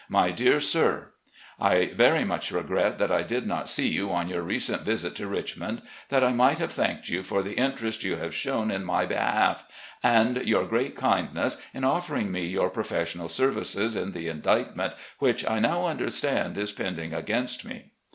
" My Dear Sir: I very much regret that I did not see you on your recent visit to Richmond, that I might have thanked you for the interest you have shown in my behalf, and your great kindness in offering me your pro fessional services in the indictment which I now tmder stand is pending against me.